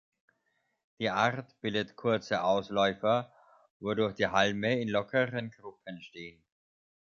Die Art bildet kurze Ausläufer, wodurch die Halme in lockeren Gruppen stehen.